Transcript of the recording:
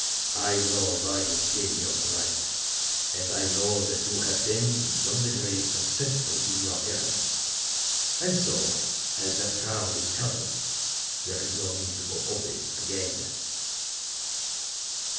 "I know why you came here to night; and I know that you have been in some degree successful in your errand. And so, as that ground is covered, there is no need to go over it again."